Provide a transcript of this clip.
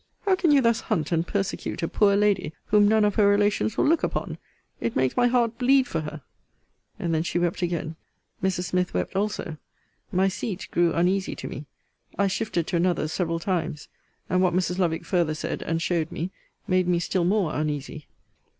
How can you thus hunt and persecute a poor lady, whom none of her relations will look upon? It makes my heart bleed for her. And then she wept again. Mrs. Smith wept also. My seat grew uneasy to me. I shifted to another several times; and what Mrs. Lovick farther said, and showed me, made me still more uneasy.